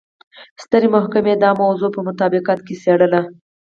سترې محکمې دا موضوع په مطابقت کې څېړله.